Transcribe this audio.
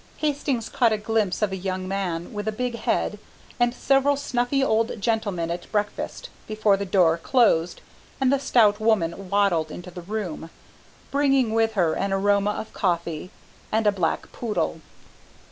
Hastings caught a glimpse of a young man with a big head and several snuffy old gentlemen at breakfast, before the door closed and the stout woman waddled into the room, bringing with her an aroma of coffee and a black poodle."